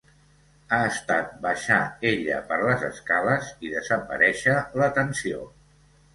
Ha estat baixar ella per les escales i desaparèixer la tensió.